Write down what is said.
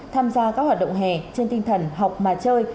tham gia các hoạt động hè trên tinh thần học mà chơi